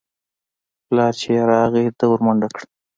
پلار چې يې راغى ده ورمنډه کړه.